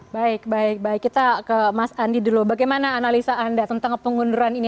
baik baik baik kita ke mas andi dulu bagaimana analisa anda tentang pengunduran ini